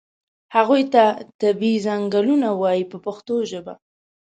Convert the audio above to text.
هغو ته طبیعي څنګلونه وایي په پښتو ژبه.